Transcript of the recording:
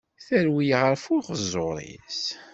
Terwel ɣef uxeẓẓur-is.